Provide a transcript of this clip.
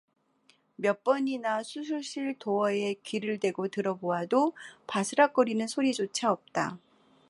몇 번이나 수술실 도어에 귀를 대고 들어 보아도 바스락거리는 소리조차 없다.